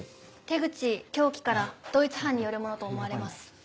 手口凶器から同一犯によるものと思われます。